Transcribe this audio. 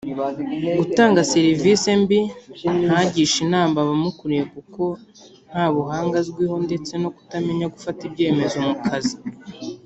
gutanga service mbi ntagishe inama abamukuriye kuko ntabuhanga azwiho ndetse no kutamenya gufata ibyemezo mu kazi